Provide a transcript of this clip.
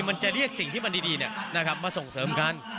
มาส่งเสริมกัน